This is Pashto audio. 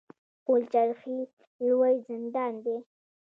پل چرخي لوی زندان دی